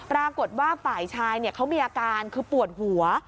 ราบรวดว่าฝ่ายชายเขามีอาการห่วงหัว